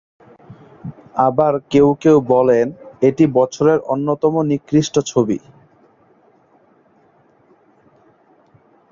আবার কেউ কেউ বলেন, এটি বছরের অন্যতম নিকৃষ্ট ছবি।